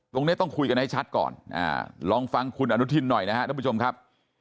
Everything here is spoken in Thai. ตรงนี้ต้องคุยกันให้ชัดก่อนลองฟังคุณอนุทินหน่อยนะครับท่านผู้ชมครับ